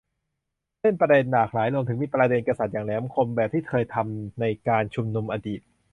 เล่นประเด็นหลากหลาย รวมถึงมีประเด็นกษัตริย์อย่างแหลมคม แบบที่เคยทำในการชุมนุมอดีต